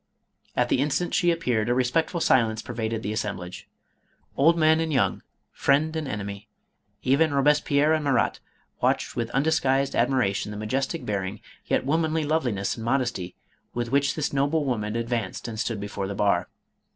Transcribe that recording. At the instant she ap peared a respectful silence pervaded the assemblage. Old men and young, friend and enemy, even Robes pierre and Marat, watched with undisguised admira tion the majestic bearing, yet womanly loveliness and modesty, with which this noble woman advanced and stood before the bar.